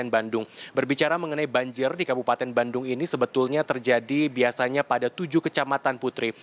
berbicara mengenai banjir di kabupaten bandung ini sebetulnya terjadi biasanya pada tujuh kecamatan putri